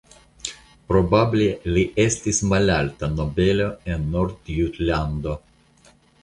Probable li estis malalta nobelo el Nordjutlando.